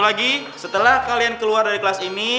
kalian kenapa pada keluar kamar sih